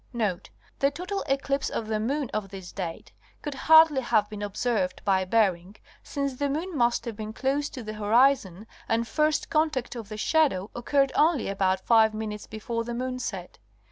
Note.—The total eclipse of the moon of this date could hardly have been observed by Bering, since the moon must have been close to the horizon and first contact of the shadow occurred only about five minutes before the moon set.